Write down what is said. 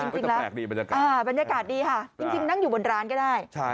จริงแล้วบรรยากาศบรรยากาศดีค่ะจริงนั่งอยู่บนร้านก็ได้